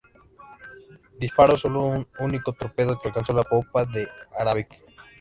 Disparó sólo un único torpedo que alcanzó la popa del "Arabic".